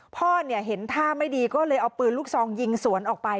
พ่อเห็นท่าไม่ดีก็เลยเอาปืนลูกซองยิงสวนออกไป